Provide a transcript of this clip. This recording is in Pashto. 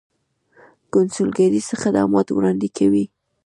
کونسلګرۍ څه خدمات وړاندې کوي؟